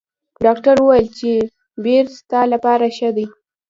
ډاکټر ویل چې بیر ستا لپاره ښه دي.